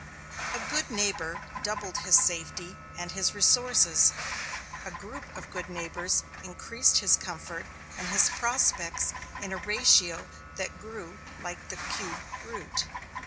A good neighbor doubled his safety and his resources, a group of good neighbors increased his comfort and his prospects in a ratio that grew like the cube root.